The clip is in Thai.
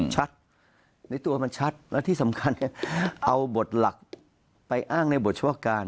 ชัดในตัวมันชัดและที่สำคัญเอาบทหลักไปอ้างในบทเฉพาะการ